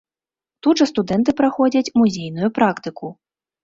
Тут жа студэнты праходзяць музейную практыку.